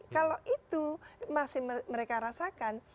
kalau itu masih mereka rasakan